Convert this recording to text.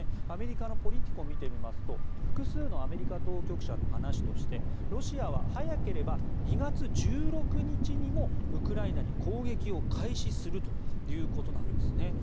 アメリカのポリティコを見てみますと複数のアメリカ当局者の話としてロシアは早ければ２月１６日にもウクライナに攻撃を開始するということです。